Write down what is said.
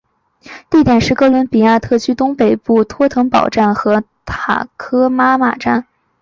地点是哥伦比亚特区东北部托腾堡站和塔科马站间。